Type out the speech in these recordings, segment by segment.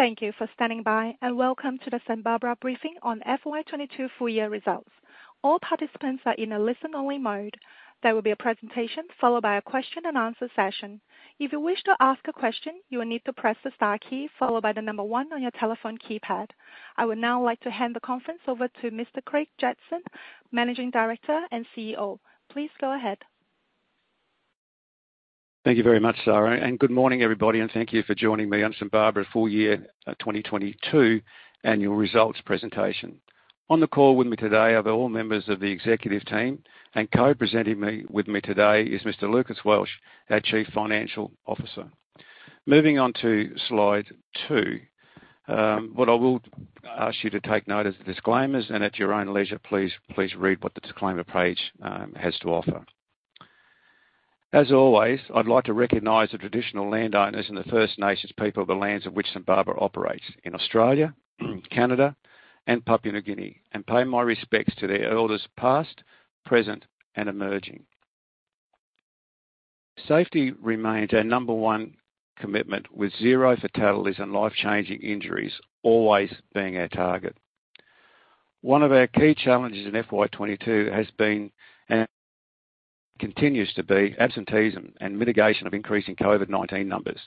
Thank you for standing by, and welcome to the St Barbara briefing on FY 2022 full year results. All participants are in a listen-only mode. There will be a presentation followed by a question and answer session. If you wish to ask a question, you will need to press the star key followed by the number one on your telephone keypad. I would now like to hand the conference over to Mr. Craig Jetson, Managing Director and CEO. Please go ahead. Thank you very much, Sarah. Good morning, everybody, and thank you for joining me on St Barbara full year 2022 annual results presentation. On the call with me today are all members of the executive team and co-presenting with me today is Mr. Lucas Welsh, our Chief Financial Officer. Moving on to slide two. What I will ask you to take note of the disclaimers and at your own leisure, please read what the disclaimer page has to offer. As always, I'd like to recognize the traditional landowners and the First Nations people of the lands of which St Barbara operates in Australia, Canada and Papua New Guinea, and pay my respects to their elders past, present, and emerging. Safety remains our number one commitment, with zero fatalities and life-changing injuries always being our target. One of our key challenges in FY 2022 has been and continues to be absenteeism and mitigation of increasing COVID-19 numbers.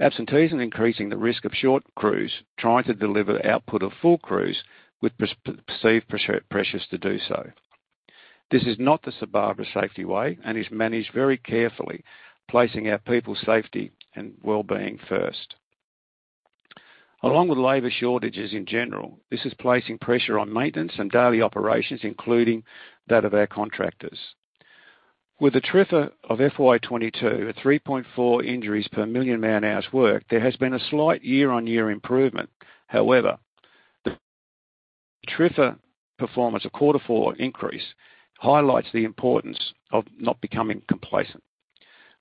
Absenteeism increasing the risk of short crews trying to deliver output of full crews with perceived pressures to do so. This is not the St Barbara safety way and is managed very carefully, placing our people safety and well-being first. Along with labor shortages in general, this is placing pressure on maintenance and daily operations, including that of our contractors. With the TRIFR of FY 2022 at 3.4 injuries per million man-hours worked, there has been a slight year-on-year improvement. However, the TRIFR performance of quarter four increase highlights the importance of not becoming complacent.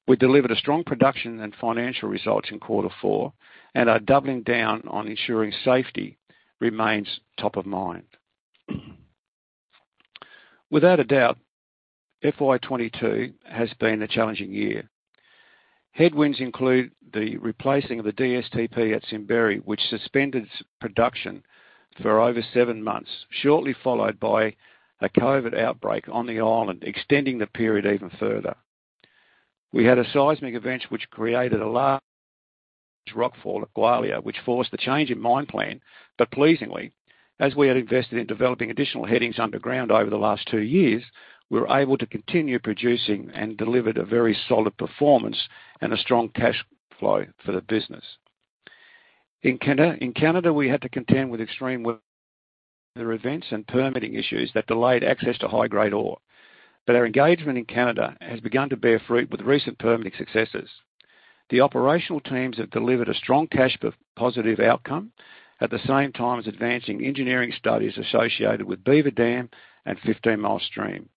We delivered a strong production and financial results in quarter four and are doubling down on ensuring safety remains top of mind. Without a doubt, FY 2022 has been a challenging year. Headwinds include the replacing of the DSTP at Simberi, which suspended production for over seven months, shortly followed by a COVID outbreak on the island, extending the period even further. We had a seismic event which created a large rockfall at Gwalia, which forced the change in mine plan. Pleasingly, as we had invested in developing additional headings underground over the last two years, we were able to continue producing and delivered a very solid performance and a strong cash flow for the business. In Canada, we had to contend with extreme weather events and permitting issues that delayed access to high-grade ore. Our engagement in Canada has begun to bear fruit with recent permitting successes. The operational teams have delivered a strong cash positive outcome, at the same time as advancing engineering studies associated with Beaver Dam and Fifteen Mile Stream.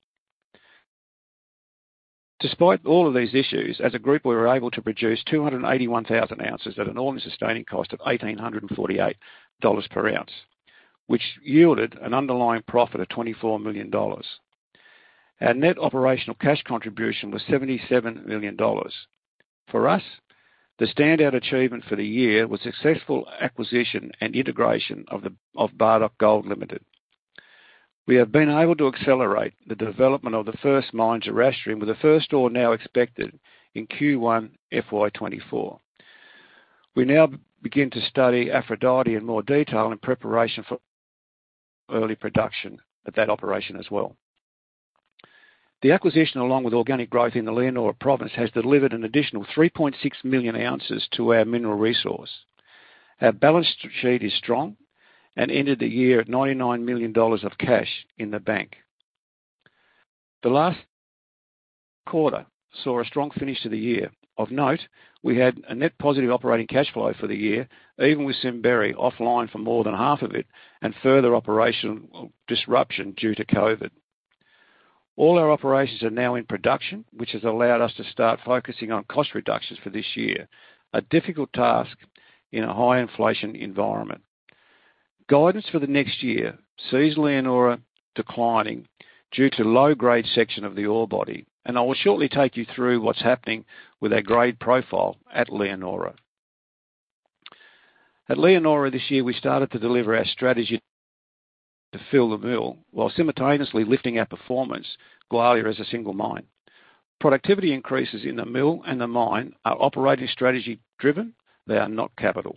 Despite all of these issues, as a group, we were able to produce 281,000 ounces at an all-in sustaining cost of 1,848 dollars per ounce, which yielded an underlying profit of 24 million dollars. Our net operational cash contribution was 77 million dollars. For us, the standout achievement for the year was successful acquisition and integration of the Bardoc Gold Limited. We have been able to accelerate the development of the first mine, Zoroastrian, with the first ore now expected in Q1 FY 2024. We now begin to study Aphrodite in more detail in preparation for early production at that operation as well. The acquisition, along with organic growth in the Leonora Province, has delivered an additional 3.6 million ounces to our mineral resource. Our balance sheet is strong and ended the year at 99 million dollars of cash in the bank. The last quarter saw a strong finish to the year. Of note, we had a net positive operating cash flow for the year, even with Simberi offline for more than half of it and further operational disruption due to COVID. All our operations are now in production, which has allowed us to start focusing on cost reductions for this year, a difficult task in a high inflation environment. Guidance for the next year sees Leonora declining due to low-grade section of the ore body. I will shortly take you through what's happening with our grade profile at Leonora. At Leonora this year, we started to deliver our strategy to fill the mill while simultaneously lifting our performance, Gwalia, as a single mine. Productivity increases in the mill and the mine are operating strategy driven. They are not capital.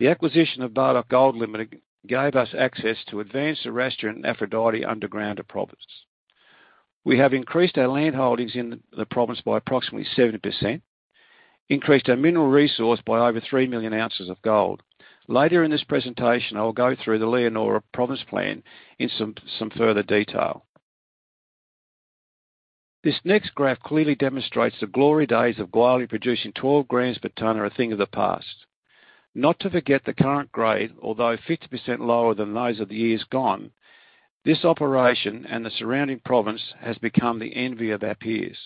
The acquisition of Bardoc Gold Limited gave us access to advance Jerash and Aphrodite underground at province. We have increased our landholdings in the province by approximately 70%, increased our mineral resource by over 3 million ounces of gold. Later in this presentation, I will go through the Leonora Province Plan in some further detail. This next graph clearly demonstrates the glory days of Gwalia producing 12 grams per ton are a thing of the past. Not to forget the current grade, although 50% lower than those of the years gone, this operation and the surrounding province has become the envy of our peers.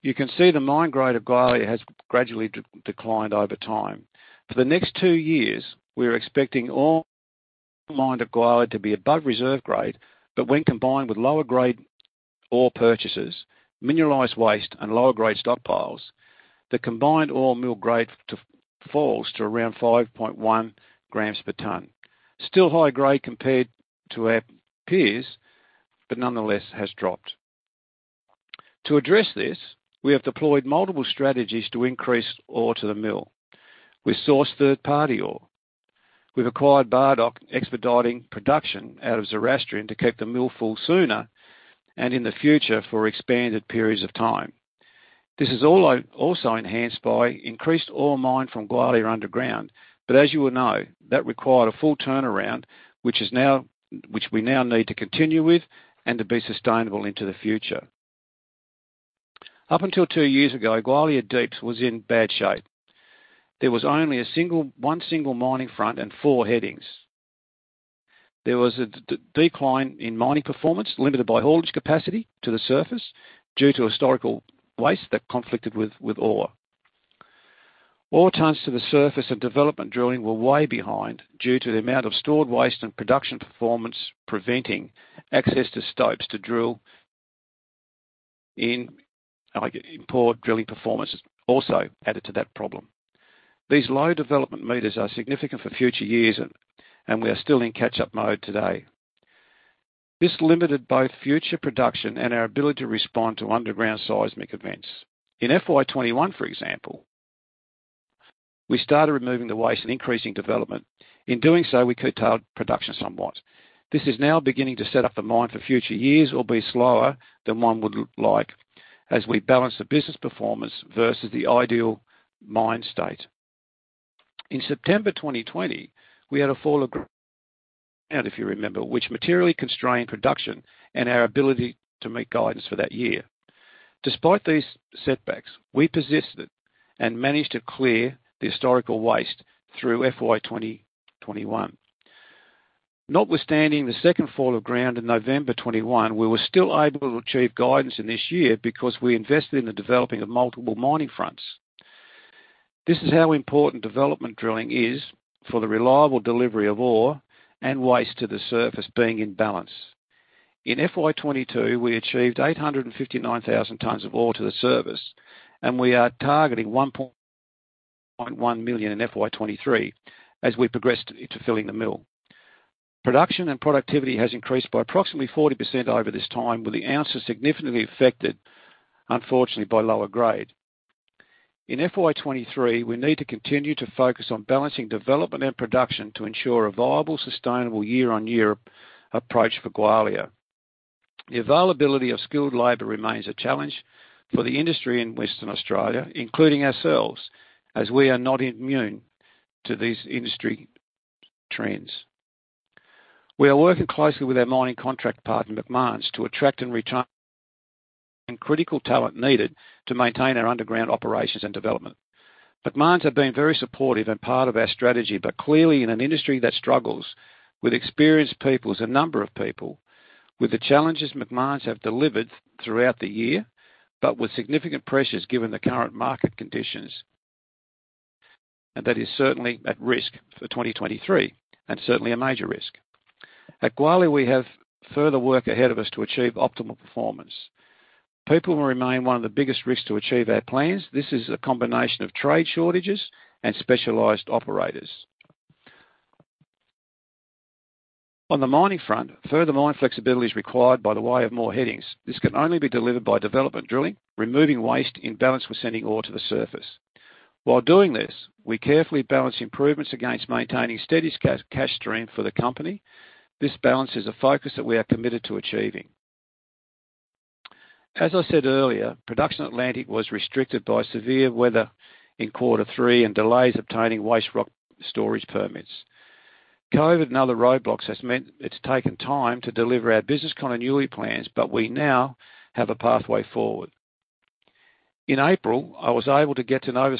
You can see the mine grade of Gwalia has gradually declined over time. For the next two years, we are expecting all-mine at Gwalia to be above reserve grade. When combined with lower grade ore purchases, mineralized waste, and lower grade stockpiles, the combined ore mill grade falls to around 5.1 grams per ton. Still high grade compared to our peers, but nonetheless has dropped. To address this, we have deployed multiple strategies to increase ore to the mill. We source third-party ore. We've acquired Bardoc expediting production out of Zoroastrian to keep the mill full sooner and in the future for expanded periods of time. This is also enhanced by increased ore mined from Gwalia underground. As you will know, that required a full turnaround, which we now need to continue with and to be sustainable into the future. Up until two years ago, Gwalia Deep was in bad shape. There was only a single mining front and four headings. There was a decline in mining performance, limited by haulage capacity to the surface due to historical waste that conflicted with ore. Ore tons to the surface and development drilling were way behind due to the amount of stored waste and production performance, preventing access to stopes to drill in. Poor drilling performance also added to that problem. These low development meters are significant for future years, and we are still in catch-up mode today. This limited both future production and our ability to respond to underground seismic events. In FY 2021, for example, we started removing the waste and increasing development. In doing so, we curtailed production somewhat. This is now beginning to set up the mine for future years, or be slower than one would like as we balance the business performance versus the ideal mine state. In September 2020, we had a fall of ground, if you remember, which materially constrained production and our ability to meet guidance for that year. Despite these setbacks, we persisted and managed to clear the historical waste through FY 2021. Notwithstanding the second fall of ground in November 2021, we were still able to achieve guidance in this year because we invested in the developing of multiple mining fronts. This is how important development drilling is for the reliable delivery of ore and waste to the surface being in balance. In FY 2022, we achieved 859,000 tons of ore to the surface, and we are targeting 1.1 million in FY 2023 as we progress to filling the mill. Production and productivity has increased by approximately 40% over this time, with the ounces significantly affected, unfortunately, by lower grade. In FY 2023, we need to continue to focus on balancing development and production to ensure a viable, sustainable year-on-year approach for Gwalia. The availability of skilled labor remains a challenge for the industry in Western Australia, including ourselves, as we are not immune to these industry trends. We are working closely with our mining contract partner, Macmahon, to attract and return critical talent needed to maintain our underground operations and development. Macmahon have been very supportive and part of our strategy, but clearly in an industry that struggles with experienced people, a number of people. With the challenges Macmahon have delivered throughout the year, but with significant pressures given the current market conditions. That is certainly at risk for 2023 and certainly a major risk. At Gwalia, we have further work ahead of us to achieve optimal performance. People will remain one of the biggest risks to achieve our plans. This is a combination of trade shortages and specialized operators. On the mining front, further mine flexibility is required by way of more headings. This can only be delivered by development drilling, removing waste in balance with sending ore to the surface. While doing this, we carefully balance improvements against maintaining steady cash stream for the company. This balance is a focus that we are committed to achieving. As I said earlier, production at Atlantic was restricted by severe weather in quarter three and delays obtaining waste rock storage permits. COVID and other roadblocks has meant it's taken time to deliver our business continuity plans, but we now have a pathway forward. In April, I was able to get to Nova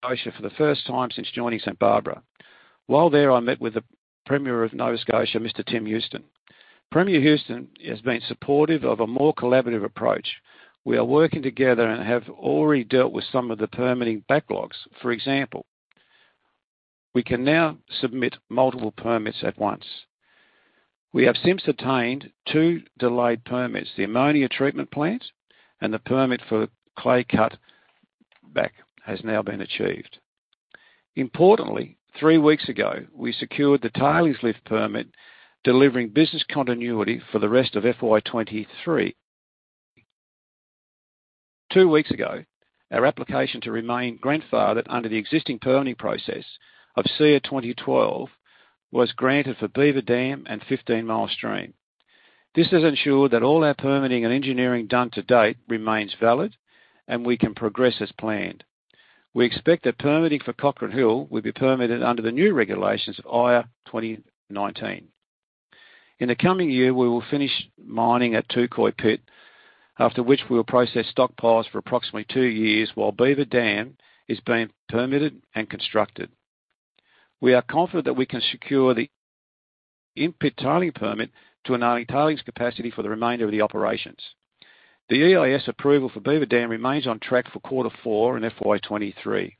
Scotia for the first time since joining St Barbara. While there, I met with the Premier of Nova Scotia, Mr. Tim Houston. Premier Houston has been supportive of a more collaborative approach. We are working together and have already dealt with some of the permitting backlogs. For example, we can now submit multiple permits at once. We have since attained two delayed permits. The ammonia treatment plant and the permit for clay cutback has now been achieved. Importantly, three weeks ago, we secured the tailings lift permit, delivering business continuity for the rest of FY 2023. Two weeks ago, our application to remain grandfathered under the existing permitting process of CEAA 2012 was granted for Beaver Dam and Fifteen Mile Stream. This has ensured that all our permitting and engineering done to date remains valid and we can progress as planned. We expect that permitting for Cochrane Hill will be permitted under the new regulations of IAA 2019. In the coming year, we will finish mining at Touquoy Pit, after which we will process stockpiles for approximately two years while Beaver Dam is being permitted and constructed. We are confident that we can secure the in-pit tailing permit to enabling tailings capacity for the remainder of the operations. The EIS approval for Beaver Dam remains on track for quarter four in FY 2023.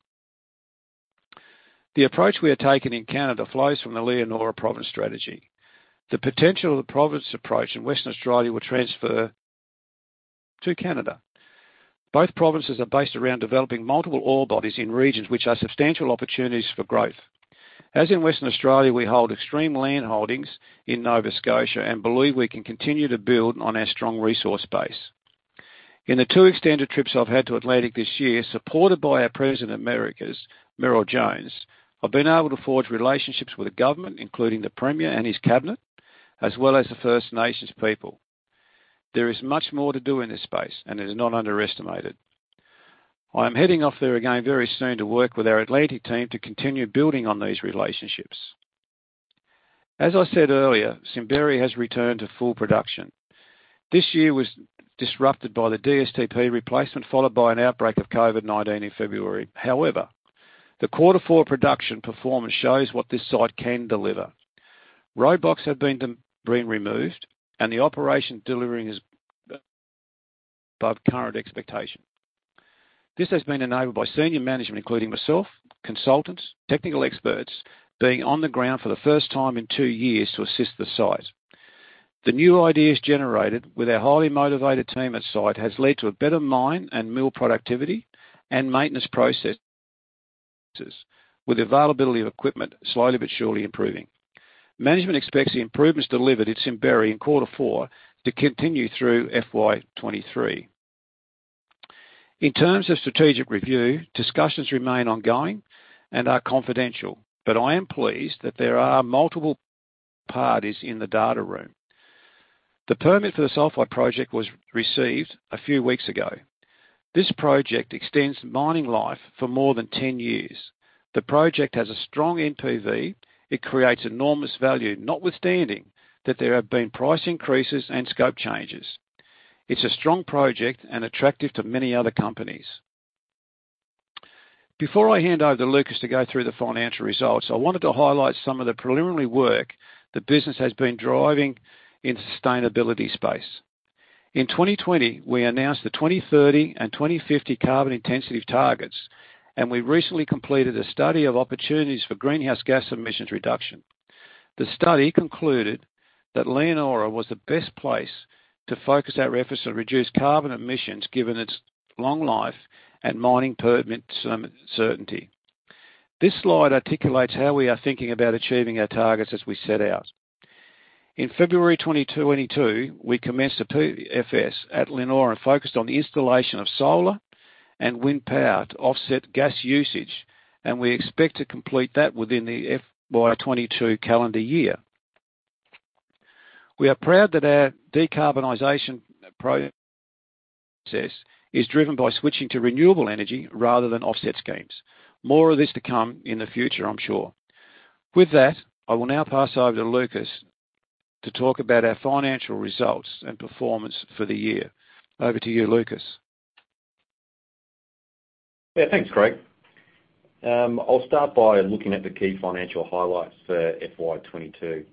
The approach we are taking in Canada flows from the Leonora Province Plan. The potential of the province approach in Western Australia will transfer to Canada. Both provinces are based around developing multiple ore bodies in regions which are substantial opportunities for growth. As in Western Australia, we hold extreme land holdings in Nova Scotia and believe we can continue to build on our strong resource base. In the two extended trips I've had to Atlantic this year, supported by our President, Americas, Meryl Jones, I've been able to forge relationships with the government, including the Premier and his cabinet, as well as the First Nations people. There is much more to do in this space, and it is not underestimated. I am heading off there again very soon to work with our Atlantic team to continue building on these relationships. As I said earlier, Simberi has returned to full production. This year was disrupted by the DSTP replacement, followed by an outbreak of COVID-19 in February. However, the quarter four production performance shows what this site can deliver. Roadblocks have been removed, and the operation delivering is above current expectation. This has been enabled by senior management, including myself, consultants, technical experts, being on the ground for the first time in two years to assist the site. The new ideas generated with our highly motivated team at site has led to a better mine and mill productivity and maintenance process with availability of equipment slightly but surely improving. Management expects the improvements delivered at Simberi in quarter four to continue through FY 2023. In terms of strategic review, discussions remain ongoing and are confidential, but I am pleased that there are multiple parties in the data room. The permit for the Sulphide Project was received a few weeks ago. This project extends mining life for more than 10 years. The project has a strong NPV. It creates enormous value, notwithstanding that there have been price increases and scope changes. It's a strong project and attractive to many other companies. Before I hand over to Lucas to go through the financial results, I wanted to highlight some of the preliminary work the business has been driving in sustainability space. In 2020, we announced the 2030 and 2050 carbon intensity targets, and we recently completed a study of opportunities for greenhouse gas emissions reduction. The study concluded that Leonora was the best place to focus our efforts to reduce carbon emissions, given its long life and mining permit certainty. This slide articulates how we are thinking about achieving our targets as we set out. In February 2022, we commenced a PFS at Leonora and focused on the installation of solar and wind power to offset gas usage, and we expect to complete that within the FY 2022 calendar year. We are proud that our decarbonization process is driven by switching to renewable energy rather than offset schemes. More of this to come in the future, I'm sure. With that, I will now pass over to Lucas to talk about our financial results and performance for the year. Over to you, Lucas. Yeah, thanks, Craig. I'll start by looking at the key financial highlights for FY 2022.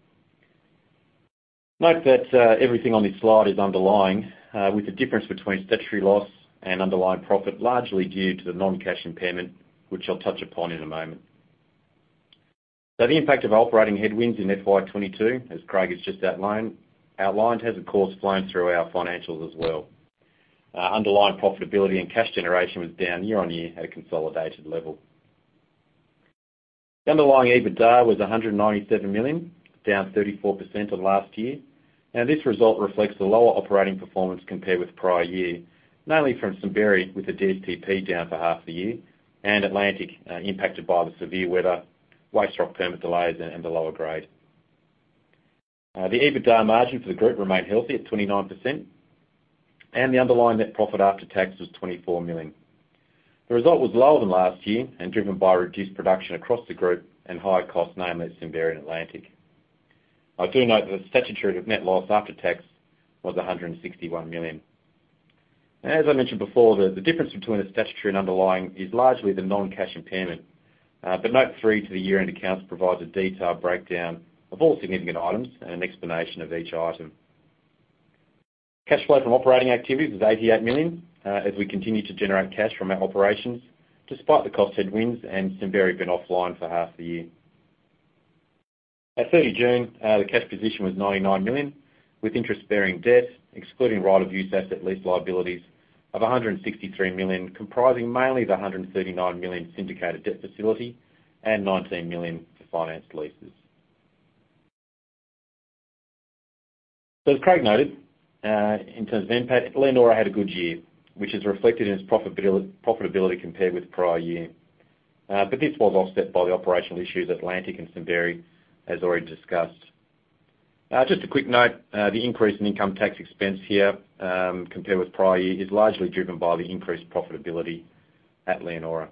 Note that everything on this slide is underlying, with the difference between statutory loss and underlying profit largely due to the non-cash impairment, which I'll touch upon in a moment. The impact of operating headwinds in FY 2022, as Craig has just outlined, has of course flown through our financials as well. Underlying profitability and cash generation was down year-on-year at a consolidated level. The underlying EBITDA was 197 million, down 34% on last year. Now, this result reflects the lower operating performance compared with prior year, mainly from Simberi, with the DSTP down for half the year, and Atlantic impacted by the severe weather, waste rock permit delays and the lower grade. The EBITDA margin for the group remained healthy at 29%, and the underlying net profit after tax was 24 million. The result was lower than last year and driven by reduced production across the group and higher costs, mainly at Simberi and Atlantic. I do note that the statutory net loss after tax was 161 million. As I mentioned before, the difference between the statutory and underlying is largely the non-cash impairment. But Note 3 to the year-end accounts provides a detailed breakdown of all significant items and an explanation of each item. Cash flow from operating activities was 88 million, as we continue to generate cash from our operations despite the cost headwinds and Simberi being offline for half the year. At 30 June, the cash position was 99 million, with interest-bearing debt, excluding right of use asset lease liabilities of 163 million, comprising mainly the 139 million syndicated debt facility and 19 million for finance leases. As Craig noted, in terms of NPAT, Leonora had a good year, which is reflected in its profitability compared with prior year. This was offset by the operational issues at Atlantic and Simberi as already discussed. Just a quick note, the increase in income tax expense here, compared with prior year is largely driven by the increased profitability at Leonora.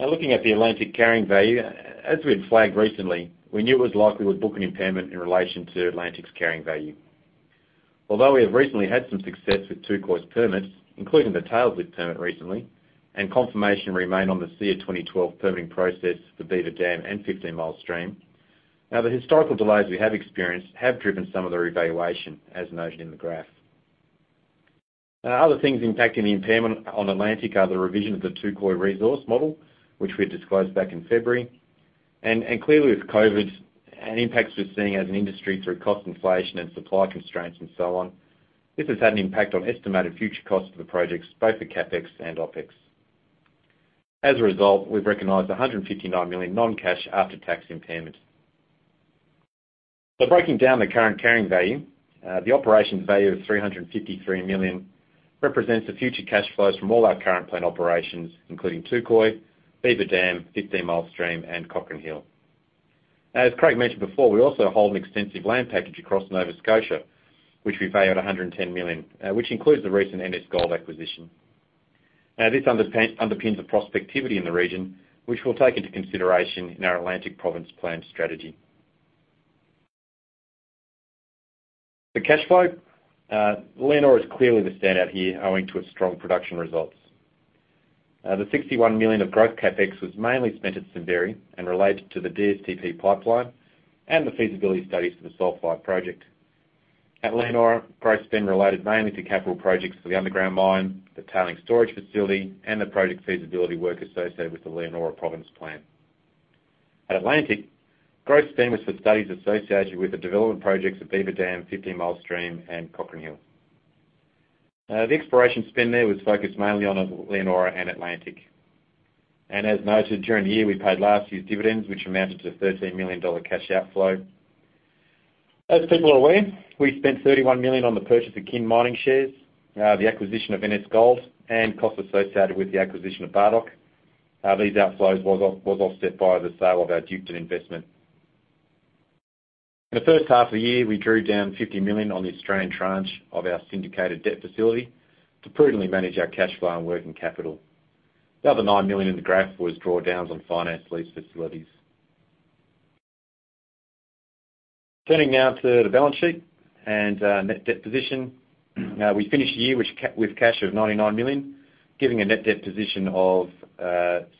Now, looking at the Atlantic carrying value, as we had flagged recently, we knew it was likely we'd book an impairment in relation to Atlantic's carrying value. Although we have recently had some success with two permits, including the tailings lift permit recently and confirmation remains on the CEAA 2012 permitting process, the Beaver Dam and Fifteen Mile Stream. The historical delays we have experienced have driven some of the reevaluation, as noted in the graph. Other things impacting the impairment on Atlantic are the revision of the Touquoy resource model, which we disclosed back in February. And clearly with COVID and impacts we're seeing as an industry through cost inflation and supply constraints and so on, this has had an impact on estimated future costs for the projects, both the CapEx and OpEx. As a result, we've recognized 159 million non-cash after-tax impairment. Breaking down the current carrying value, the operations value of 353 million represents the future cash flows from all our current plant operations, including Touquoy, Beaver Dam, Fifteen Mile Stream, and Cochrane Hill. As Craig mentioned before, we also hold an extensive land package across Nova Scotia, which we value at 110 million, which includes the recent NS Gold acquisition. Now, this underpins the prospectivity in the region, which we'll take into consideration in our Atlantic Province plan strategy. The cash flow Leonora is clearly the standout here owing to its strong production results. The 61 million of growth CapEx was mainly spent at Simberi and related to the DSTP pipeline and the feasibility studies for the Sulphide project. At Leonora, growth spend related mainly to capital projects for the underground mine, the tailings storage facility, and the project feasibility work associated with the Leonora Province Plan. At Atlantic, growth spend was for studies associated with the development projects of Beaver Dam, Fifteen Mile Stream, and Cochrane Hill. The exploration spend there was focused mainly on Leonora and Atlantic. As noted, during the year, we paid last year's dividends, which amounted to 13 million dollar cash outflow. As people are aware, we spent 31 million on the purchase of Kin Mining shares, the acquisition of NS Gold, and costs associated with the acquisition of Bardoc. These outflows was offset by the sale of our Duketon investment. In the first half of the year, we drew down 50 million on the Australian tranche of our syndicated debt facility to prudently manage our cash flow and working capital. The other 9 million in the graph was drawdowns on finance lease facilities. Turning now to the balance sheet and net debt position. We finished the year with cash of 99 million, giving a net debt position of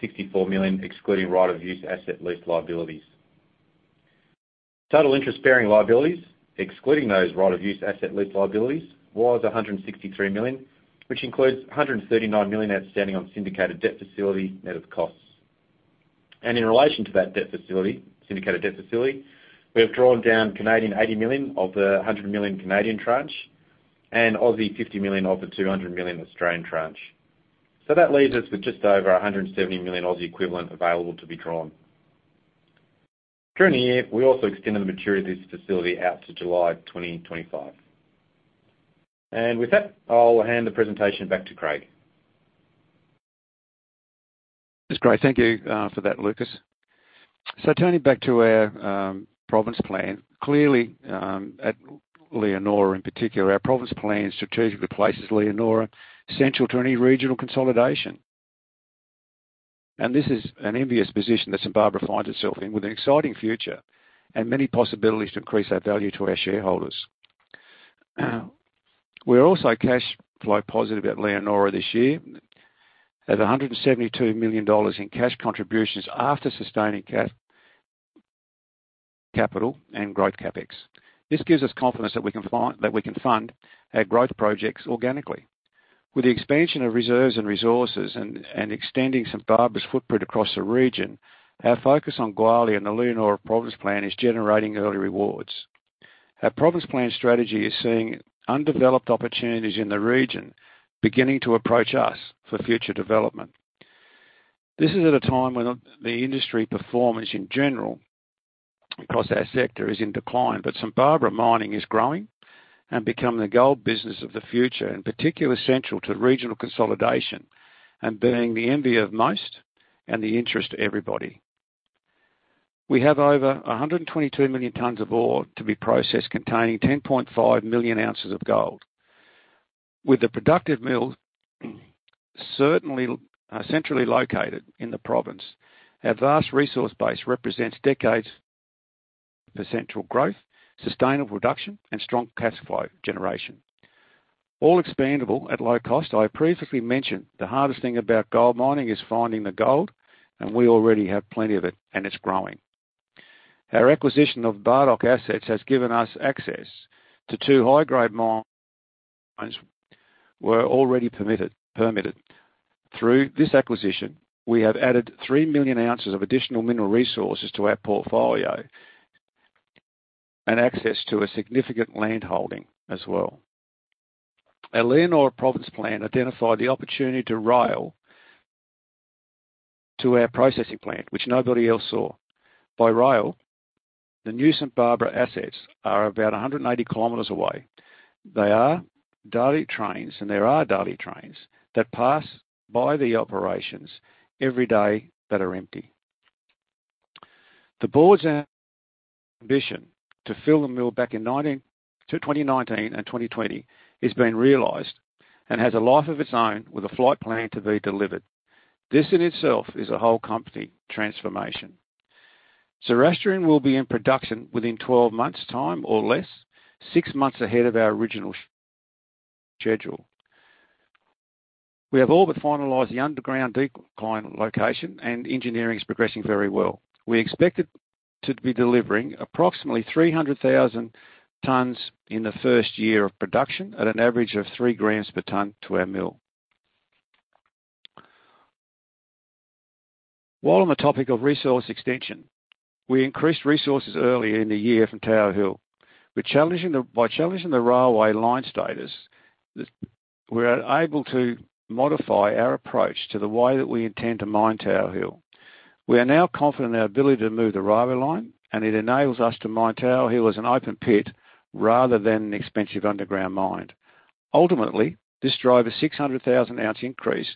64 million, excluding right-of-use asset lease liabilities. Total interest-bearing liabilities, excluding those right-of-use asset lease liabilities, was 163 million, which includes 139 million outstanding on syndicated debt facility net of costs. In relation to that debt facility, syndicated debt facility, we have drawn down 80 million of the 100 million Canadian tranche and 50 million of the 200 million Australian tranche. That leaves us with just over 170 million equivalent available to be drawn. During the year, we also extended the maturity of this facility out to July 2025. With that, I'll hand the presentation back to Craig. That's great. Thank you, for that, Lucas. Turning back to our province plan. Clearly, at Leonora in particular, our Leonora Province Plan strategically places Leonora central to any regional consolidation. This is an enviable position that St Barbara finds itself in with an exciting future and many possibilities to increase our value to our shareholders. We're also cash flow positive at Leonora this year at 172 million dollars in cash contributions after sustaining capital and growth CapEx. This gives us confidence that we can fund our growth projects organically. With the expansion of reserves and resources and extending St Barbara's footprint across the region, our focus on Gwalia and the Leonora Province Plan is generating early rewards. Our Leonora Province Plan strategy is seeing undeveloped opportunities in the region beginning to approach us for future development. This is at a time when the industry performance in general across our sector is in decline. St Barbara Limited is growing and becoming the gold business of the future, in particular, essential to regional consolidation and being the envy of most and the interest to everybody. We have over 122 million tons of ore to be processed containing 10.5 million ounces of gold. With the productive mill certainly centrally located in the province, our vast resource base represents decades of potential growth, sustainable production, and strong cash flow generation, all expandable at low cost. I previously mentioned the hardest thing about gold mining is finding the gold, and we already have plenty of it, and it's growing. Our acquisition of Bardoc assets has given us access to two high-grade mines were already permitted. Through this acquisition, we have added 3 million ounces of additional mineral resources to our portfolio and access to a significant landholding as well. Our Leonora Province Plan identified the opportunity to rail to our processing plant, which nobody else saw. By rail, the new St Barbara assets are about 180 kilometers away. They are daily trains, and there are daily trains that pass by the operations every day that are empty. The board's ambition to fill the mill back in 2019 and 2020 is being realized and has a life of its own with a flight plan to be delivered. This in itself is a whole company transformation. Zoroastrian will be in production within 12 months time or less, six months ahead of our original schedule. We have all but finalized the underground decline location, and engineering is progressing very well. We expect it to be delivering approximately 300,000 tons in the first year of production at an average of 3 grams per ton to our mill. While on the topic of resource extension, we increased resources early in the year from Tower Hill. By challenging the railway line status, that we are able to modify our approach to the way that we intend to mine Tower Hill. We are now confident in our ability to move the railway line, and it enables us to mine Tower Hill as an open pit rather than an expensive underground mine. Ultimately, this drives a 600,000-ounce increase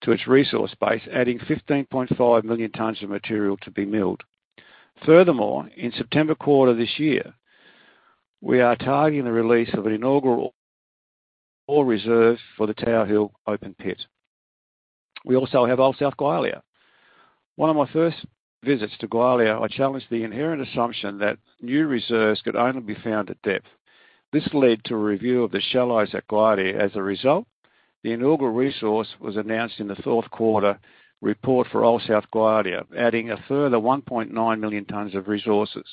to its resource base, adding 15.5 million tons of material to be milled. Furthermore, in September quarter this year, we are targeting the release of an inaugural ore reserve for the Tower Hill open pit. We also have Old South Gwalia. One of my first visits to Gwalia, I challenged the inherent assumption that new reserves could only be found at depth. This led to a review of the shallows at Gwalia. As a result, the inaugural resource was announced in the fourth quarter report for Old South Gwalia, adding a further 1.9 million tons of resources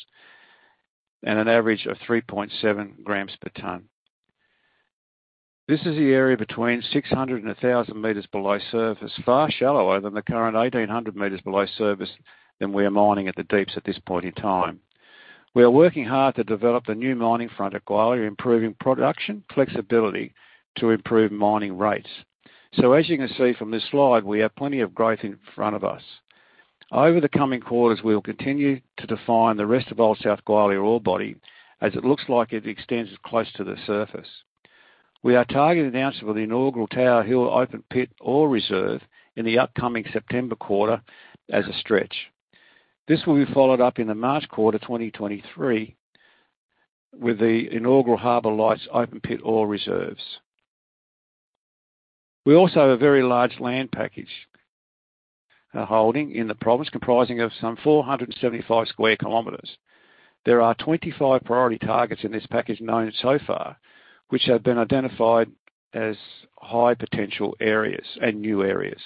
and an average of 3.7 grams per ton. This is the area between 600 and 1,000 meters below surface, far shallower than the current 1,800 meters below surface that we are mining at the deeps at this point in time. We are working hard to develop a new mining front at Gwalia, improving production flexibility to improve mining rates. As you can see from this slide, we have plenty of growth in front of us. Over the coming quarters, we will continue to define the rest of Old South Gwalia ore body as it looks like it extends close to the surface. We are targeting the announcement of the inaugural Tower Hill open pit ore reserve in the upcoming September quarter as a stretch. This will be followed up in the March quarter, 2023 with the inaugural Harbor Lights open pit ore reserves. We also have a very large land package holding in the province comprising of some 475 sq km. There are 25 priority targets in this package known so far, which have been identified as high potential areas and new areas.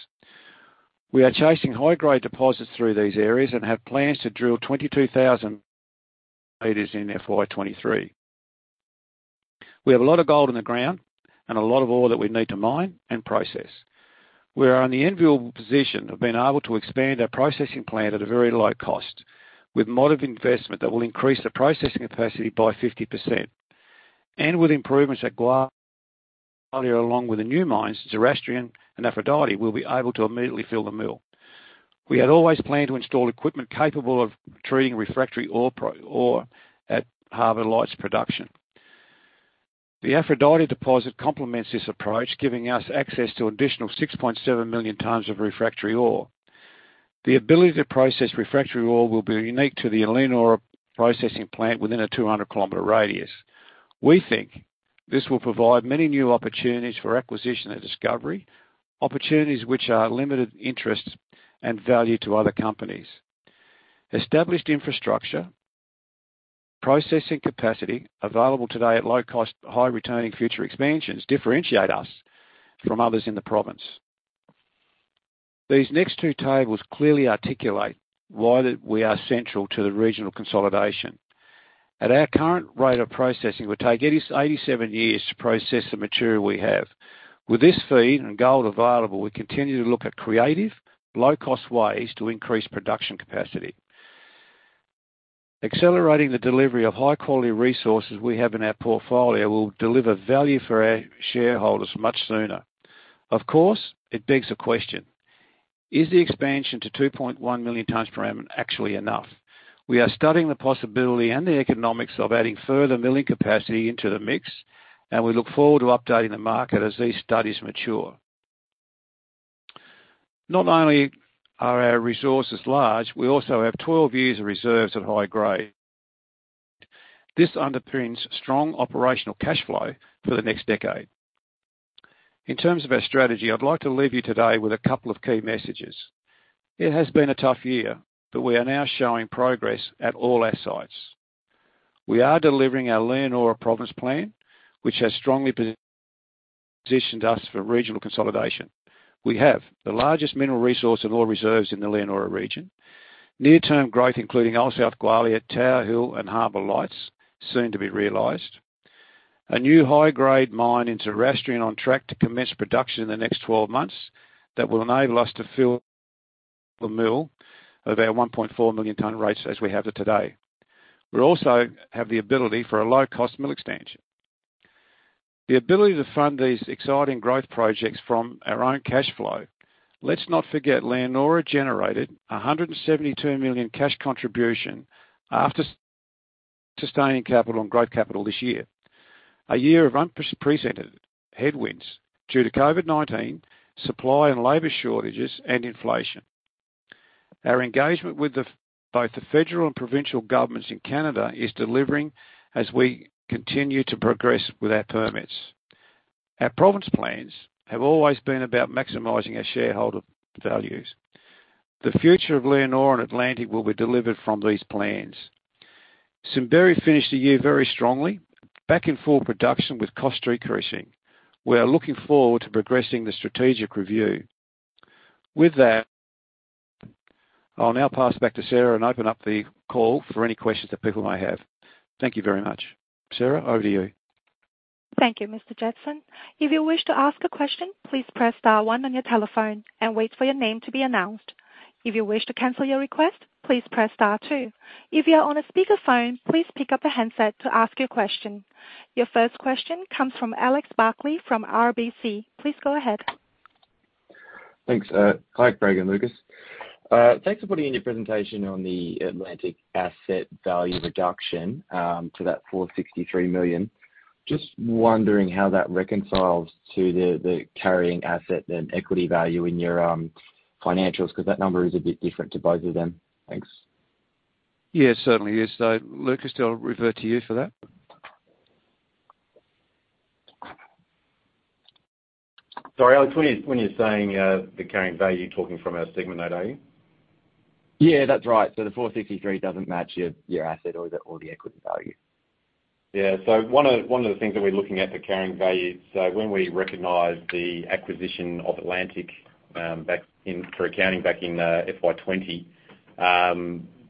We are chasing high-grade deposits through these areas and have plans to drill 22,000 meters in FY 2023. We have a lot of gold in the ground and a lot of ore that we need to mine and process. We are in the enviable position of being able to expand our processing plant at a very low cost. With moderate investment that will increase the processing capacity by 50%. With improvements at Gwalia, along with the new mines, Zoroastrian and Aphrodite will be able to immediately fill the mill. We had always planned to install equipment capable of treating refractory ore at Harbour Lights production. The Aphrodite deposit complements this approach, giving us access to additional 6.7 million tons of refractory ore. The ability to process refractory ore will be unique to the Leonora processing plant within a 200 km radius. We think this will provide many new opportunities for acquisition and discovery, opportunities which are of limited interest and value to other companies. Established infrastructure, processing capacity available today at low cost, high returning future expansions differentiate us from others in the province. These next two tables clearly articulate why we are central to the regional consolidation. At our current rate of processing, it would take 87 years to process the material we have. With this feed and gold available, we continue to look at creative, low cost ways to increase production capacity. Accelerating the delivery of high-quality resources we have in our portfolio will deliver value for our shareholders much sooner. Of course, it begs the question, is the expansion to 2.1 million tons per annum actually enough? We are studying the possibility and the economics of adding further milling capacity into the mix, and we look forward to updating the market as these studies mature. Not only are our resources large, we also have 12 years of reserves at high grade. This underpins strong operational cash flow for the next decade. In terms of our strategy, I'd like to leave you today with a couple of key messages. It has been a tough year, but we are now showing progress at all our sites. We are delivering our Leonora Province Plan, which has strongly positioned us for regional consolidation. We have the largest mineral resource and ore reserves in the Leonora region. Near term growth, including Old South Gwalia, Tower Hill and Harbour Lights, soon to be realized. A new high-grade mine in Zoroastrian on track to commence production in the next 12 months that will enable us to fill the mill of our 1.4 million ton rates as we have it today. We also have the ability for a low cost mill expansion. The ability to fund these exciting growth projects from our own cash flow. Let's not forget, Leonora generated 172 million cash contribution after sustaining capital and growth capital this year. A year of unprecedented headwinds due to COVID-19, supply and labor shortages and inflation. Our engagement with both the federal and provincial governments in Canada is delivering as we continue to progress with our permits. Our province plans have always been about maximizing our shareholder values. The future of Leonora and Atlantic will be delivered from these plans. Simberi finished the year very strongly, back in full production with cost decreasing. We are looking forward to progressing the strategic review. With that, I'll now pass back to Sarah and open up the call for any questions that people may have. Thank you very much. Sarah, over to you. Thank you, Mr. Jetson. If you wish to ask a question, please press star one on your telephone and wait for your name to be announced. If you wish to cancel your request, please press star two. If you are on a speaker phone, please pick up a handset to ask your question. Your first question comes from Alex Barkley from RBC. Please go ahead. Thanks, Craig and Lucas. Thanks for putting in your presentation on the Atlantic asset value reduction to 463 million. Just wondering how that reconciles to the carrying asset and equity value in your financials, because that number is a bit different to both of them. Thanks. Yeah, certainly. Yes. Lucas, I'll refer to you for that. Sorry, Alex, when you're saying the current value, you're talking from our segment now, are you? Yeah, that's right. The 463 doesn't match your asset or the equity value. One of the things that we're looking at the carrying value. When we recognize the acquisition of Atlantic Gold back in for accounting back in FY 2020,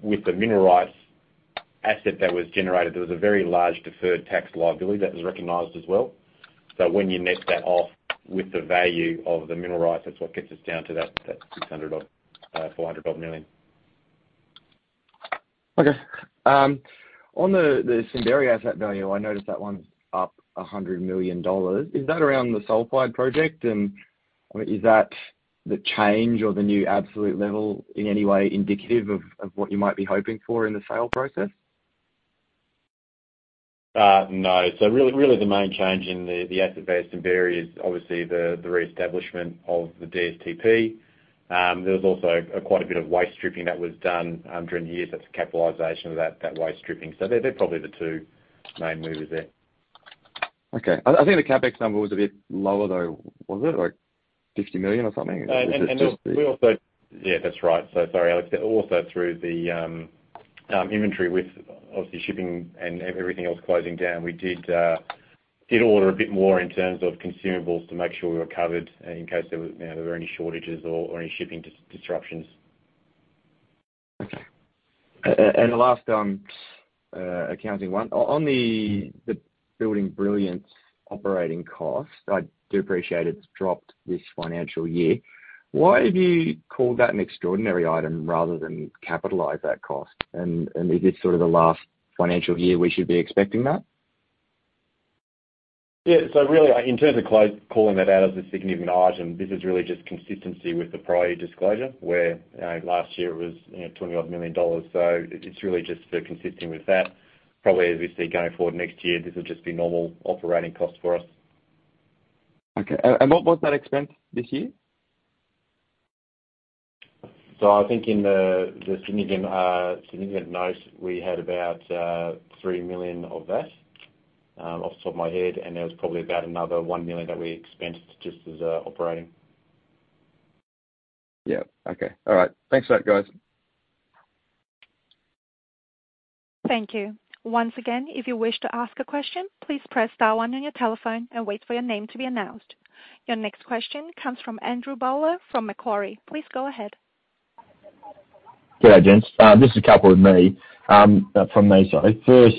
with the mineral rights asset that was generated, there was a very large deferred tax liability that was recognized as well. When you net that off with the value of the mineral rights, that's what gets us down to that 600, 400 million. Okay. On the Simberi asset value, I noticed that one's up 100 million dollars. Is that around the Sulphide Project? I mean, is that the change or the new absolute level in any way indicative of what you might be hoping for in the sale process? No. Really the main change in the asset base in Simberi is obviously the reestablishment of the DSTP. There was also quite a bit of waste stripping that was done during the year. That's a capitalization of that waste stripping. They're probably the two main movers there. Okay. I think the CapEx number was a bit lower, though. Was it like 50 million or something? Is it just the Yeah, that's right. Sorry, Alex. We also, through the inventory with obviously shipping and everything else closing down, did order a bit more in terms of consumables to make sure we were covered in case there were, you know, any shortages or any shipping disruptions. Okay. The last accounting one. On the Building Brilliance operating cost, I do appreciate it's dropped this financial year. Why have you called that an extraordinary item rather than capitalize that cost? Is this sort of the last financial year we should be expecting that? Really, in terms of calling that out as a significant item, this is really just consistency with the prior disclosure, where last year it was, you know, 20 million dollars. It's really just consistent with that. Probably as we see going forward next year, this will just be normal operating costs for us. What was that expense this year? I think in the significant notes, we had about 3 million of that off the top of my head, and there was probably about another 1 million that we expensed just as operating. Yeah. Okay. All right. Thanks for that, guys. Thank you. Once again, if you wish to ask a question, please press star one on your telephone and wait for your name to be announced. Your next question comes from Andrew Bowler from Macquarie. Please go ahead. Good day, gents. This is a couple from my side. First,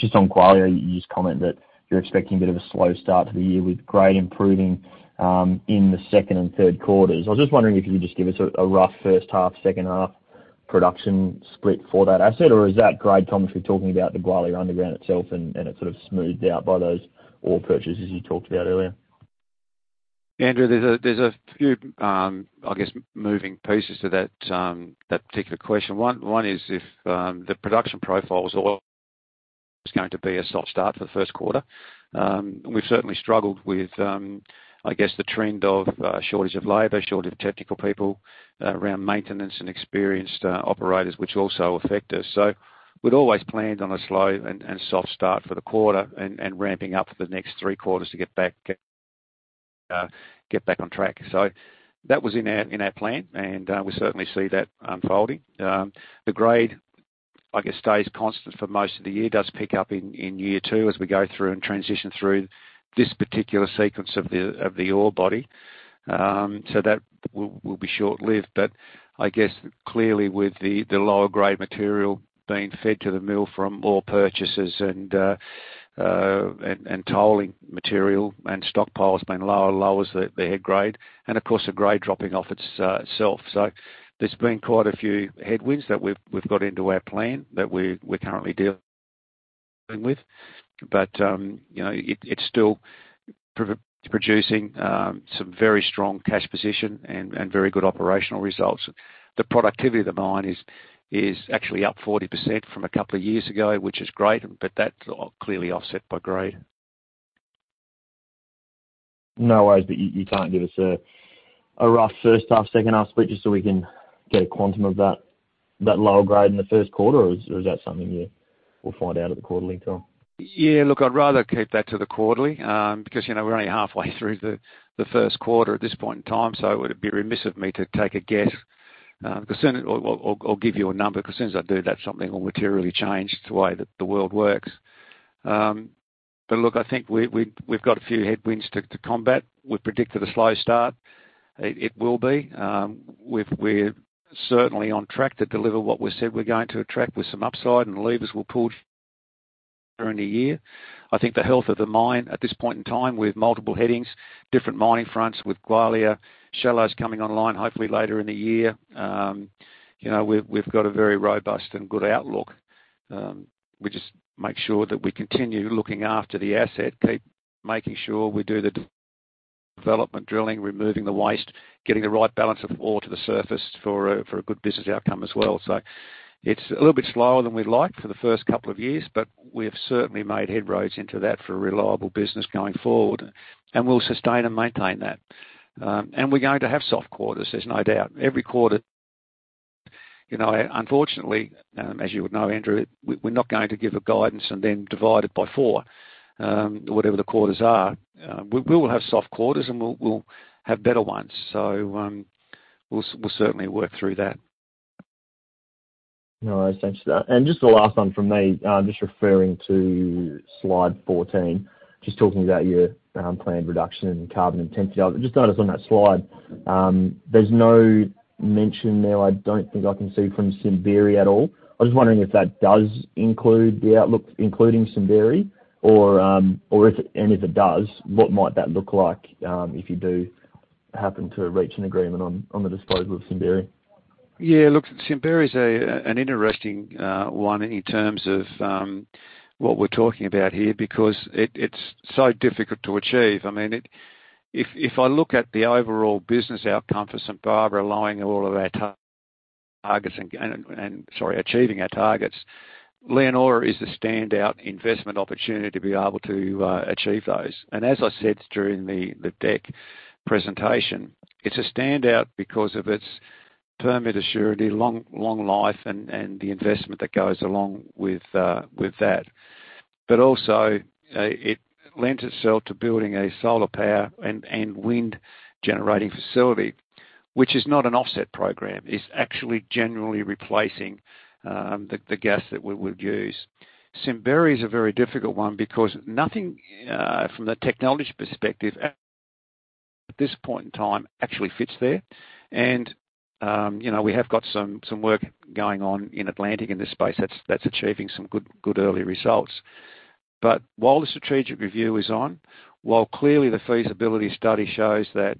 just on Gwalia, you just comment that you're expecting a bit of a slow start to the year with grade improving in the second and third quarters. I was just wondering if you could just give us a rough first half, second half production split for that asset, or is that grade tonnage we're talking about the Gwalia underground itself and it's sort of smoothed out by those ore purchases you talked about earlier? Andrew, there's a few, I guess, moving pieces to that particular question. One is if the production profile is always going to be a soft start for the first quarter. We've certainly struggled with, I guess, the trend of shortage of labor, shortage of technical people around maintenance and experienced operators, which also affect us. We'd always planned on a slow and soft start for the quarter and ramping up for the next three quarters to get back on track. That was in our plan, and we certainly see that unfolding. The grade, I guess, stays constant for most of the year. It does pick up in year two as we go through and transition through this particular sequence of the ore body. That will be short-lived. I guess clearly with the lower grade material being fed to the mill from ore purchases and tolling material and stockpiles being lower, lowers the head grade. Of course, the grade dropping off by itself. There's been quite a few headwinds that we've got into our plan that we're currently dealing with. You know, it's still producing some very strong cash position and very good operational results. The productivity of the mine is actually up 40% from a couple of years ago, which is great, but that's clearly offset by grade. No worries. But you can't give us a rough first half, second half split, just so we can get a quantum of that? That lower grade in the first quarter, or is that something you will find out at the quarterly call? Yeah, look, I'd rather keep that to the quarterly, because, you know, we're only halfway through the first quarter at this point in time, so it would be remiss of me to take a guess. I'll give you a number, 'cause as soon as I do, that's something that will materially change the way that the world works. Look, I think we've got a few headwinds to combat. We've predicted a slow start. It will be. We're certainly on track to deliver what we said we're going to extract with some upside, and levers will pull during the year. I think the health of the mine at this point in time, with multiple headings, different mining fronts, with Gwalia, shallows coming online hopefully later in the year, you know, we've got a very robust and good outlook. We just make sure that we continue looking after the asset, keep making sure we do the development drilling, removing the waste, getting the right balance of ore to the surface for a good business outcome as well. It's a little bit slower than we'd like for the first couple of years, but we have certainly made headway into that for a reliable business going forward, and we'll sustain and maintain that. We're going to have soft quarters, there's no doubt. Every quarter, you know, unfortunately, as you would know, Andrew, we're not going to give a guidance and then divide it by four, whatever the quarters are. We will have soft quarters, and we'll have better ones. We'll certainly work through that. No, thanks for that. Just the last one from me, just referring to slide 14, just talking about your planned reduction in carbon intensity. I just noticed on that slide, there's no mention there. I don't think I can see from Simberi at all. I was wondering if that does include the outlook, including Simberi, and if it does, what might that look like if you do happen to reach an agreement on the disposal of Simberi? Yeah. Look, Simberi is an interesting one in terms of what we're talking about here because it's so difficult to achieve. I mean, if I look at the overall business outcome for St Barbara allowing all of our targets, achieving our targets, Leonora is the standout investment opportunity to be able to achieve those. As I said during the deck presentation, it's a standout because of its permit certainty, long life and the investment that goes along with that. Also, it lends itself to building a solar power and wind generating facility, which is not an offset program. It's actually generally replacing the gas that we would use. Simberi is a very difficult one because nothing from the technology perspective at this point in time actually fits there. You know, we have got some work going on in Atlantic in this space that's achieving some good early results. While the strategic review is on, while clearly the feasibility study shows that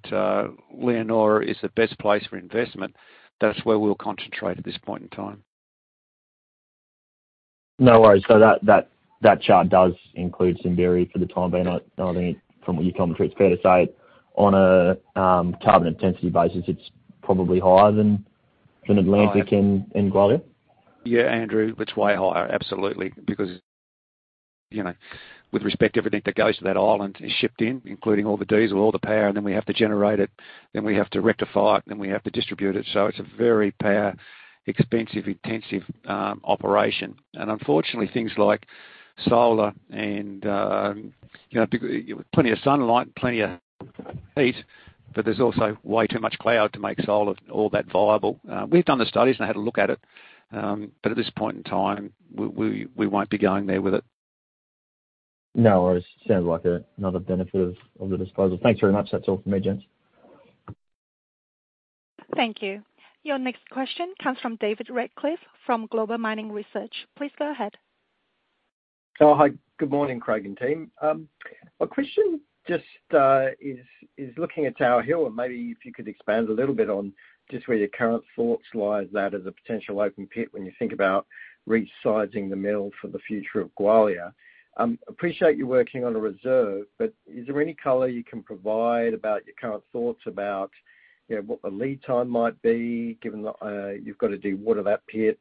Leonora is the best place for investment, that's where we'll concentrate at this point in time. No worries. That chart does include Simberi for the time being. I think from what your commentary, it's fair to say on a carbon intensity basis, it's probably higher than Atlantic and Gwalia? Yeah, Andrew, it's way higher, absolutely. Because, you know, with respect to everything that goes to that island is shipped in, including all the diesel, all the power, and then we have to generate it, then we have to rectify it, then we have to distribute it. It's a very power expensive, intensive operation. Unfortunately, things like solar and, you know, plenty of sunlight and plenty of heat, but there's also way too much cloud to make solar all that viable. We've done the studies and had a look at it, but at this point in time, we won't be going there with it. No, it sounds like another benefit of the disposal. Thanks very much. That's all from me, gents. Thank you. Your next question comes from David Radclyffe from Global Mining Research. Please go ahead. Oh, hi. Good morning, Craig and team. My question just is looking at Tower Hill, and maybe if you could expand a little bit on just where your current thoughts lie as that as a potential open pit when you think about resizing the mill for the future of Gwalia. Appreciate you working on a reserve, but is there any color you can provide about your current thoughts about, you know, what the lead time might be given that you've got to dewater that pit,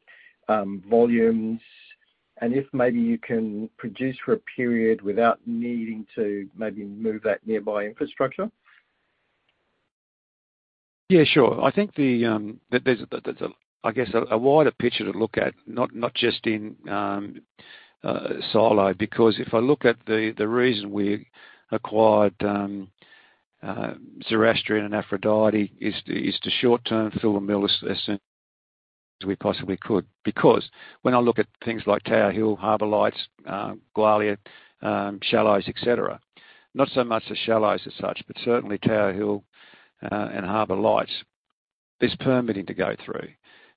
volumes, and if maybe you can produce for a period without needing to maybe move that nearby infrastructure? Yeah, sure. I think there's a wider picture to look at, not just in silo because if I look at the reason we acquired Zoroastrian and Aphrodite is to short-term fill the mill as soon as we possibly could. Because when I look at things like Tower Hill, Harbor Lights, Gwalia, Shallows, et cetera, not so much the Shallows as such, but certainly Tower Hill and Harbor Lights, there's permitting to go through.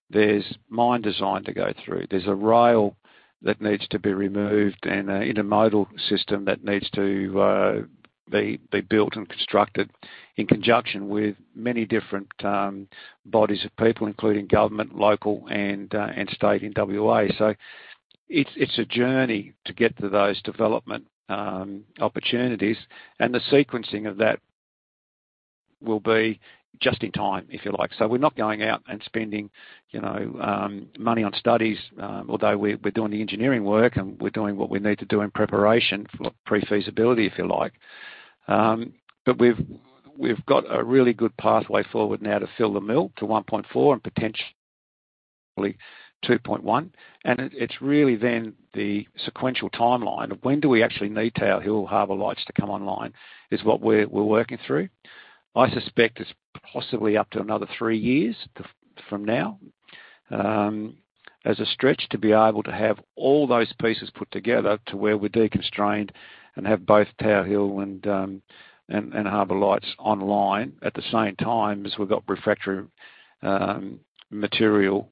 There's mine design to go through. There's a rail that needs to be removed and an intermodal system that needs to be built and constructed in conjunction with many different bodies of people, including government, local and state in WA. It's a journey to get to those development opportunities, and the sequencing of that will be just in time, if you like. We're not going out and spending, you know, money on studies, although we're doing the engineering work, and we're doing what we need to do in preparation for pre-feasibility, if you like. We've got a really good pathway forward now to fill the mill to 1.4 and potentially 2.1. It's really then the sequential timeline of when do we actually need Tower Hill, Harbour Lights to come online is what we're working through. I suspect it's possibly up to another three years from now, as a stretch to be able to have all those pieces put together to where we're deconstrained and have both Tower Hill and Harbor Lights online. At the same time as we've got refractory material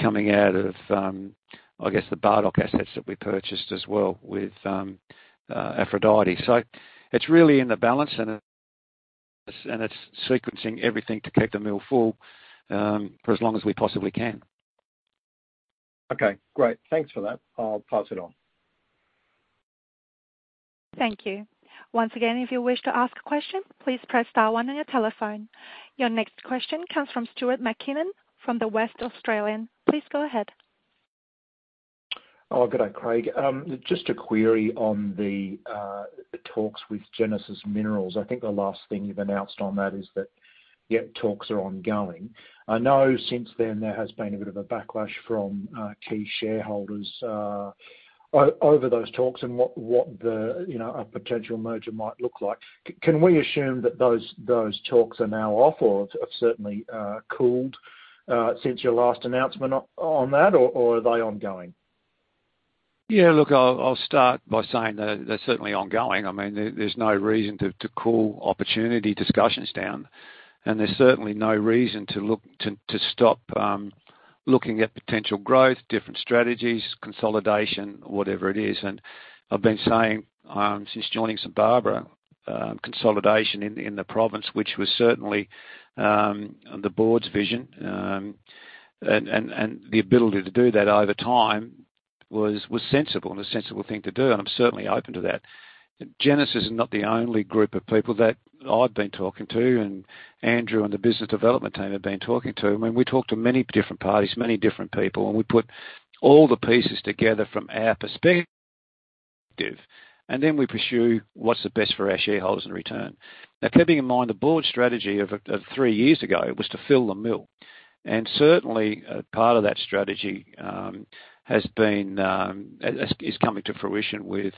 coming out of, I guess, the Bardoc assets that we purchased as well with Aphrodite. It's really in the balance and it's sequencing everything to keep the mill full, for as long as we possibly can. Okay, great. Thanks for that. I'll pass it on. Thank you. Once again, if you wish to ask a question, please press star one on your telephone. Your next question comes from Stuart McKinnon from The West Australian. Please go ahead. Oh, g'day, Craig. Just a query on the talks with Genesis Minerals. I think the last thing you've announced on that is that, yeah, talks are ongoing. I know since then, there has been a bit of a backlash from key shareholders over those talks and what the, you know, a potential merger might look like. Can we assume that those talks are now off or have certainly cooled since your last announcement on that, or are they ongoing? Yeah, look, I'll start by saying that they're certainly ongoing. I mean, there's no reason to call opportunity discussions down, and there's certainly no reason to look to stop looking at potential growth, different strategies, consolidation, whatever it is. I've been saying since joining St Barbara, consolidation in the province, which was certainly the board's vision, and the ability to do that over time was sensible and a sensible thing to do. I'm certainly open to that. Genesis is not the only group of people that I've been talking to and Andrew and the business development team have been talking to. I mean, we talk to many different parties, many different people, and we put all the pieces together from our perspective, and then we pursue what's the best for our shareholders in return. Keeping in mind, the board strategy of three years ago was to fill the mill. Certainly, part of that strategy is coming to fruition with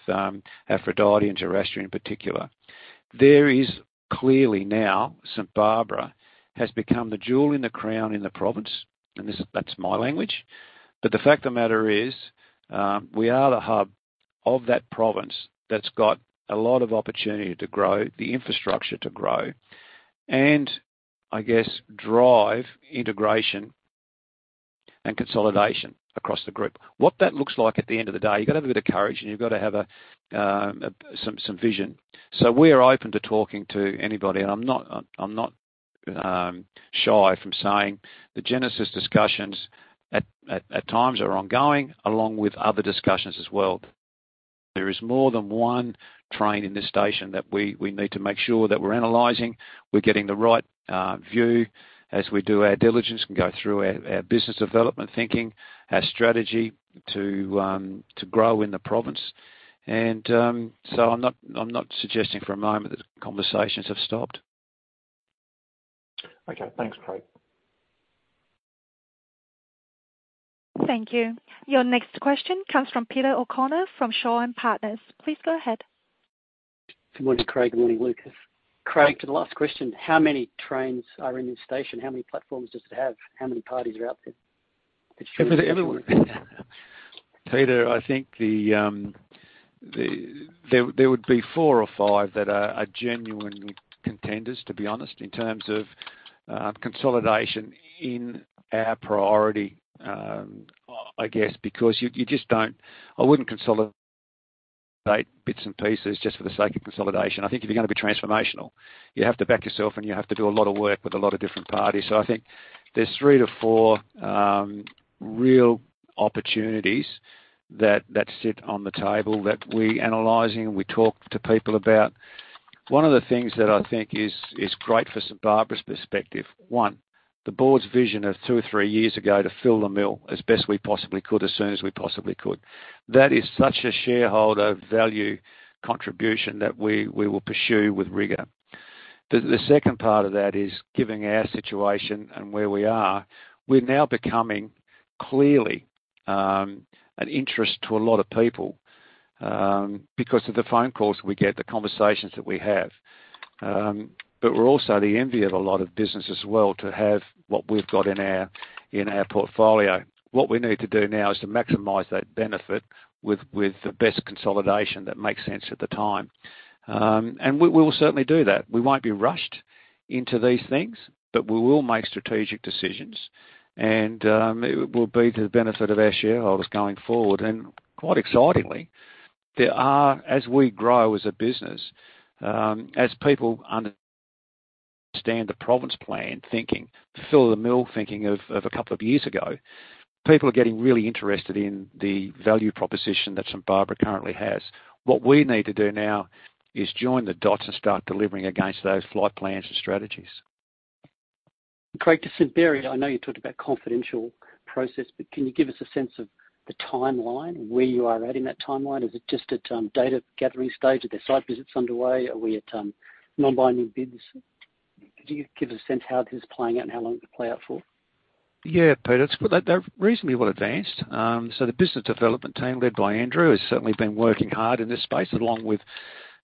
Aphrodite and Gerastra in particular. There is clearly now St Barbara has become the jewel in the crown in the province, and this is. That's my language. The fact of the matter is, we are the hub of that province that's got a lot of opportunity to grow, the infrastructure to grow, and I guess, drive integration and consolidation across the group. What that looks like at the end of the day, you've got to have a bit of courage, and you've got to have some vision. We are open to talking to anybody. I'm not shy from saying the Genesis discussions at times are ongoing, along with other discussions as well. There is more than one train in this station that we need to make sure that we're analyzing, we're getting the right view as we do our diligence and go through our business development thinking, our strategy to grow in the province. I'm not suggesting for a moment that conversations have stopped. Okay, thanks, Craig. Thank you. Your next question comes from Peter O'Connor from Shaw and Partners. Please go ahead. Good morning, Craig. Good morning, Lucas. Craig, to the last question, how many trains are in this station? How many platforms does it have? How many parties are out there? Peter, I think there would be four or five that are genuinely contenders, to be honest, in terms of consolidation in our priority, I guess I wouldn't consolidate bits and pieces just for the sake of consolidation. I think if you're gonna be transformational, you have to back yourself, and you have to do a lot of work with a lot of different parties. I think there's three-four real opportunities that sit on the table that we're analyzing, we talk to people about. One of the things that I think is great for St Barbara's perspective, one, the board's vision of two-three years ago to fill the mill as best we possibly could, as soon as we possibly could. That is such a shareholder value contribution that we will pursue with rigor. The second part of that is giving our situation and where we are. We're now becoming clearly an interest to a lot of people because of the phone calls we get, the conversations that we have. We're also the envy of a lot of businesses as well to have what we've got in our portfolio. What we need to do now is to maximize that benefit with the best consolidation that makes sense at the time. We will certainly do that. We won't be rushed into these things, but we will make strategic decisions and it will be to the benefit of our shareholders going forward. Quite excitingly, there are as we grow as a business, as people understand the Province Plan thinking, fill the mill thinking of a couple of years ago, people are getting really interested in the value proposition that St Barbara currently has. What we need to do now is join the dots and start delivering against those flight plans and strategies. Craig, to St Barbara, I know you talked about confidential process, but can you give us a sense of the timeline, where you are at in that timeline? Is it just at data gathering stage? Are there site visits underway? Are we at non-binding bids? Could you give us a sense how this is playing out and how long it could play out for? Yeah, Peter, it's good. They're reasonably well advanced. The business development team, led by Andrew, has certainly been working hard in this space along with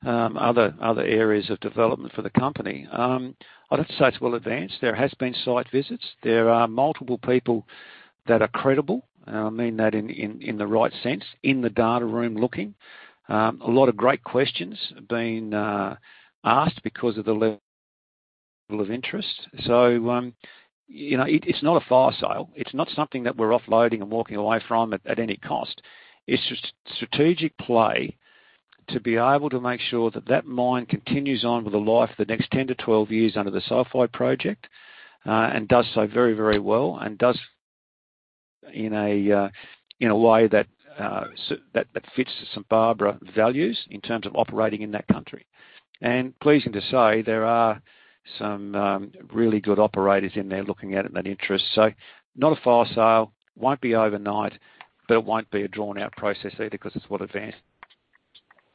other areas of development for the company. I'd have to say it's well advanced. There has been site visits. There are multiple people that are credible, and I mean that in the right sense, in the data room looking. A lot of great questions have been asked because of the level of interest. You know, it's not a fire sale. It's not something that we're offloading and walking away from at any cost. It's a strategic play to be able to make sure that that mine continues on with a life for the next 10-12 years under the Sulphide Project, and does so very, very well, and does in a way that fits the St Barbara values in terms of operating in that country. Pleasing to say, there are some really good operators in there looking at it in that interest. Not a fire sale. Won't be overnight, but it won't be a drawn-out process either because it's well advanced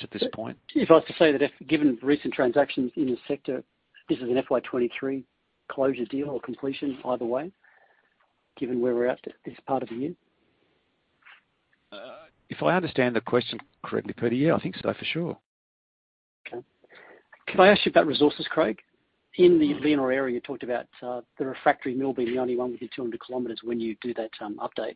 at this point. If I was to say that, given recent transactions in the sector, this is an FY 2023 closure deal or completion either way, given where we're at this part of the year. If I understand the question correctly, Peter, yeah, I think so for sure. Okay. Can I ask you about resources, Craig? In the Leonora area, you talked about the refractory mill being the only one within 200 km when you do that update. Yeah.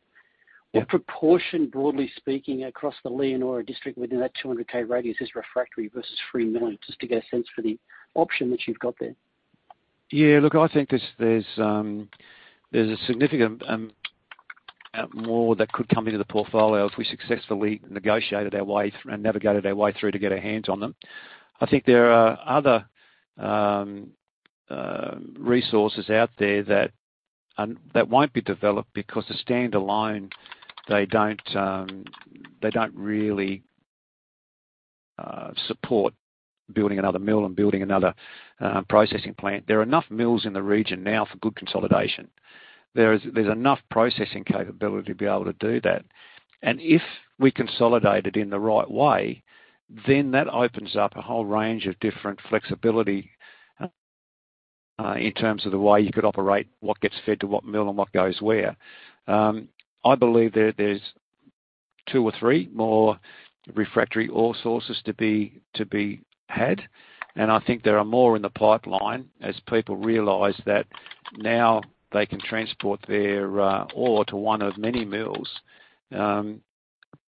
What proportion, broadly speaking, across the Leonora district within that 200 K radius is refractory versus free mill? Just to get a sense for the option that you've got there. Yeah. Look, I think there's a significant more that could come into the portfolio if we successfully negotiated our way through and navigated our way through to get our hands on them. I think there are other resources out there that won't be developed because the standalone, they don't really support building another mill and building another processing plant. There are enough mills in the region now for good consolidation. There's enough processing capability to be able to do that. If we consolidate it in the right way, then that opens up a whole range of different flexibility in terms of the way you could operate, what gets fed to what mill and what goes where. I believe there's two or three more refractory ore sources to be had, and I think there are more in the pipeline as people realize that now they can transport their ore to one of many mills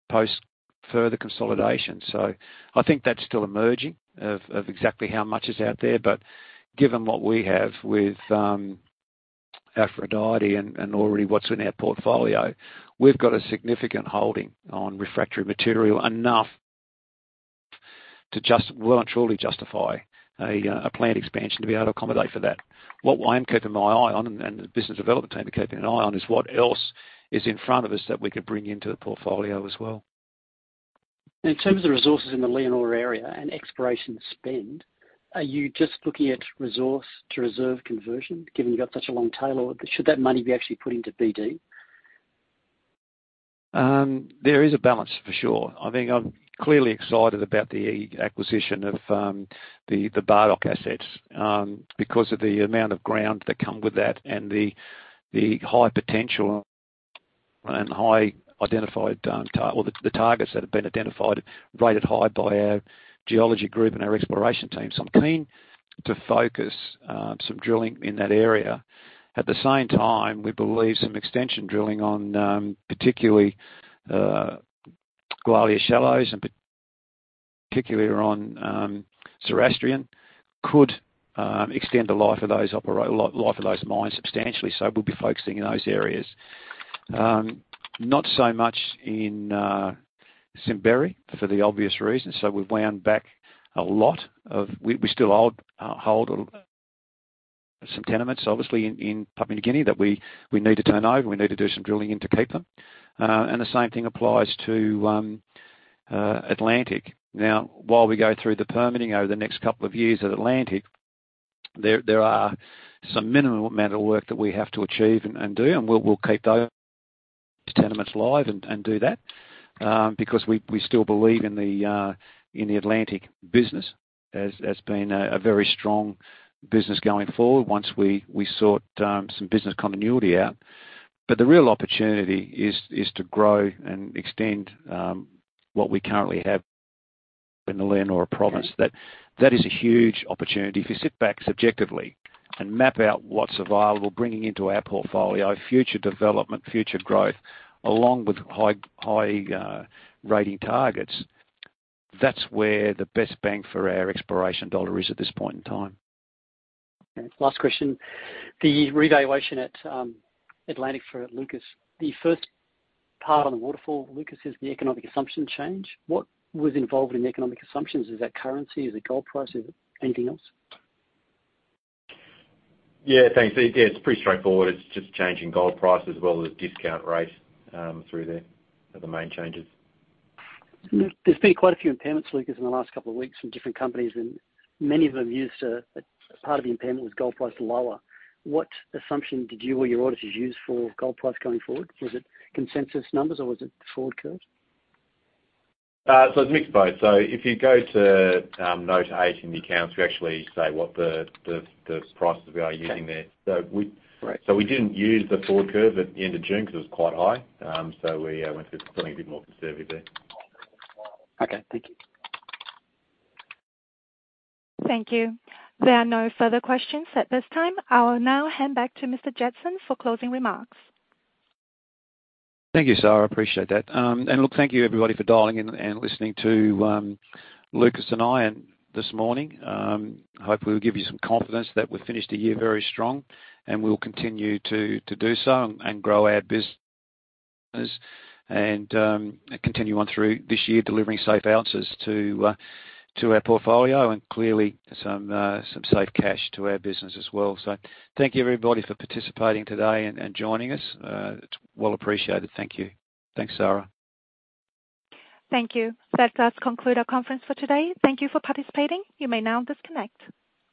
post further consolidation. I think that's still emerging of exactly how much is out there. Given what we have with Aphrodite and already what's in our portfolio, we've got a significant holding on refractory material enough to just well and truly justify a plant expansion to be able to accommodate for that. What I am keeping my eye on and the business development team are keeping an eye on is what else is in front of us that we could bring into the portfolio as well. In terms of resources in the Leonora area and exploration spend, are you just looking at resource-to-reserve conversion, given you've got such a long tail or should that money be actually put into BD? There is a balance for sure. I think I'm clearly excited about the acquisition of the Bardoc assets because of the amount of ground that come with that and the high potential and high identified targets that have been identified, rated high by our geology group and our exploration team. I'm keen to focus some drilling in that area. At the same time, we believe some extension drilling on particularly Gwalia Shallows and particularly on Zoroastrian could extend the life of those mines substantially. We'll be focusing in those areas. Not so much in Simberi for the obvious reasons. We've wound back a lot of. We still hold some tenements, obviously in Papua New Guinea that we need to turn over, and we need to do some drilling in to keep them. The same thing applies to Atlantic. Now, while we go through the permitting over the next couple of years at Atlantic, there are some minimal amount of work that we have to achieve and do, and we'll keep those tenements live and do that, because we still believe in the Atlantic business as being a very strong business going forward once we sort some business continuity out. The real opportunity is to grow and extend what we currently have in the Leonora Province. That is a huge opportunity. If you sit back subjectively and map out what's available, bringing into our portfolio future development, future growth, along with high rating targets, that's where the best bang for our exploration dollar is at this point in time. Okay. Last question. The revaluation at Atlantic Gold for Lucas, the first part on the waterfall, Lucas, is the economic assumption change. What was involved in the economic assumptions? Is that currency? Is it gold price? Is it anything else? Yeah. Thanks, yeah, it's pretty straightforward. It's just changing gold price as well as discount rate, those are the main changes. There's been quite a few impairments, Lucas, in the last couple of weeks from different companies, and many of them used a part of the impairment was gold price lower. What assumption did you or your auditors use for gold price going forward? Was it consensus numbers, or was it forward curves? It's a mix of both. If you go to Note 8 in the accounts, we actually say what the prices we are using there. Okay. So we. Right. We didn't use the forward curve at the end of June because it was quite high. We went for something a bit more conservative there. Okay. Thank you. Thank you. There are no further questions at this time. I will now hand back to Mr. Jetson for closing remarks. Thank you, Sarah. I appreciate that. Look, thank you, everybody, for dialing in and listening to Lucas and I this morning. Hopefully we'll give you some confidence that we've finished the year very strong, and we'll continue to do so and grow our business, and continue on through this year, delivering safe ounces to our portfolio and clearly some safe cash to our business as well. Thank you, everybody, for participating today and joining us. It's well appreciated. Thank you. Thanks, Sarah. Thank you. That does conclude our conference for today. Thank you for participating. You may now disconnect.